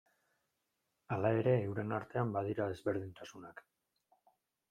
Hala ere euren artean badira ezberdintasunak.